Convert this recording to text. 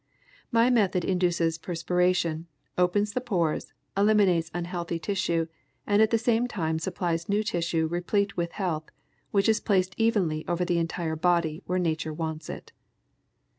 My method induces perspiration, opens the pores, eliminates unhealthy tissue, and at the same time supplies new tissue replete with health, which is placed evenly over the entire body where nature wants it.